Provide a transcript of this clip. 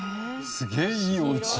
すげえいいお家。